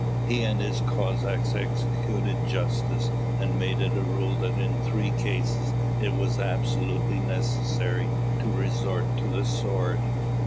He and his Cossacks executed justice, and made it a rule that in three cases it was absolutely necessary to resort to the sword.